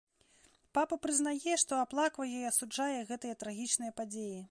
Папа прызнае, што аплаквае і асуджае гэтыя трагічныя падзеі.